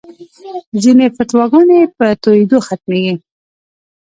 ځینې فتواګانې په تویېدو ختمېږي.